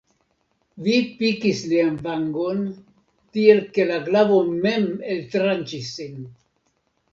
Vi pikis lian vangon, tiel ke la glavo mem eltranĉis sin.